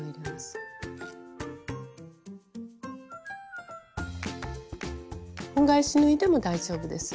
本返し縫いでも大丈夫です。